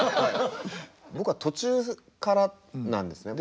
僕は途中からなんですね。